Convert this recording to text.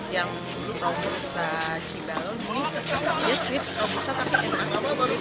yang rompusta cibalong ini dia sweet rompusta tapi enak